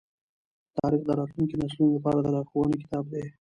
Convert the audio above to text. تاریخ د راتلونکو نسلونو لپاره د لارښوونې کتاب دی.